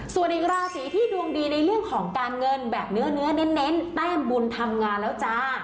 ส่วนอีกราศีที่ดวงดีในเรื่องของการเงินแบบเนื้อเน้นแต้มบุญทำงานแล้วจ้า